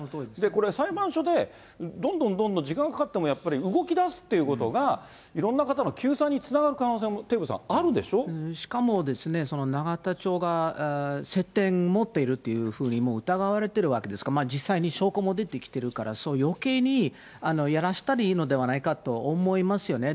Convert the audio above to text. これ、裁判所でどんどんどんどん時間かかっても、やっぱり動き出すってことが、いろんな方の救済につながる可能性も、しかもですね、その永田町が、接点持っているというふうに疑われているわけですから、実際に証拠も出てきているから、よけいに、やらしたらいいのではないかと思いますよね。